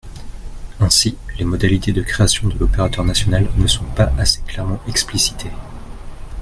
Ainsi, les modalités de création de l’opérateur national ne sont pas assez clairement explicitées.